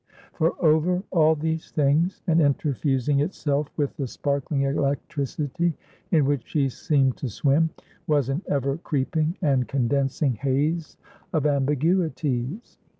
For over all these things, and interfusing itself with the sparkling electricity in which she seemed to swim, was an ever creeping and condensing haze of ambiguities.